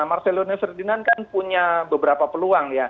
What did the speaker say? marcelino ferdinand kan punya beberapa peluang